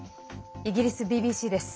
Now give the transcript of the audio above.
イギリスＢＢＣです。